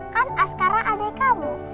kan askara adik kamu